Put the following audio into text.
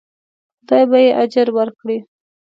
خدای به یې اجر ورکړي.